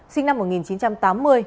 sinh năm một nghìn chín trăm tám mươi